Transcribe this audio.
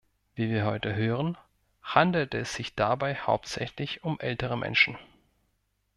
Wie wir heute hören, handelte es sich dabei hauptsächlich um ältere Menschen.